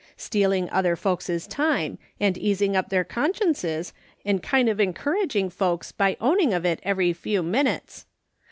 Stealing other folks' time, and easing up their consciences, and kind of encouraging folks by owning of it every few minutes.